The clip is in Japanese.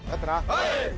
はい！